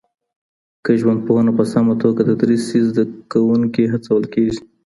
که ژوندپوهنه په سمه توګه تدریس شي، زده کونکي هڅول کیږي.